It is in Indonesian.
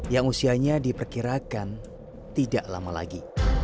yang usianya diperkirakan tidak lama lagi